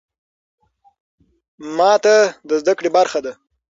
ماتې د زده کړې برخه ده.